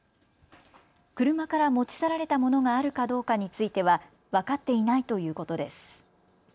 車から持ち去られたものがあるかどうかについては分かっていないということです。